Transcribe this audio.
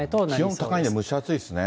気温高いんで、蒸し暑いですね。